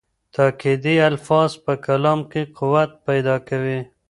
تاکېدي الفاظ په کلام کې قوت پیدا کوي.